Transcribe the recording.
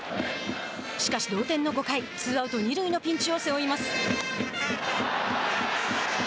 しかし、同点の５回ツーアウト、二塁のピンチを背負います。